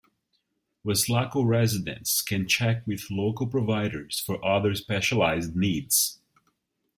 Weslaco residents can check with local providers for other specialized needs.